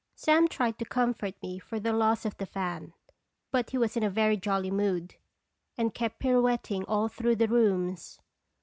Sam tried to comfort me for the loss of the fan ; but he was in a very jolly mood, and kept pirouetting all through the rooms.